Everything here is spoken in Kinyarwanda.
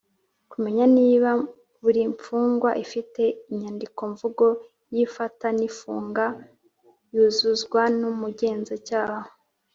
Kumenya niba buri mfungwa ifite inyandiko mvugo y ifata n ifunga yuzuzwa n Umugenzacyaha